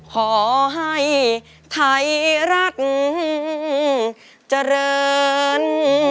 ขอให้ไทยรัฐเจริญ